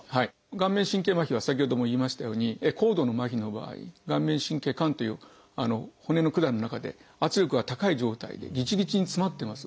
顔面神経麻痺は先ほども言いましたように高度の麻痺の場合顔面神経管という骨の管の中で圧力が高い状態でぎちぎちに詰まってます。